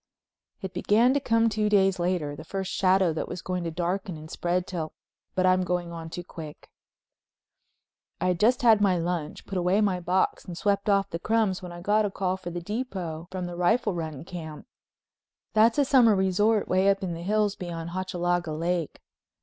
It began to come two days later, the first shadow that was going to darken and spread till—but I'm going on too quick. I'd just had my lunch, put away my box and swept off the crumbs, when I got a call for the depot from the Rifle Run Camp. That's a summer resort, way up in the hills beyond Hochalaga Lake.